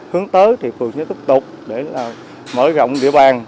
hướng tới thì phường sẽ tiếp tục để mở rộng địa bàn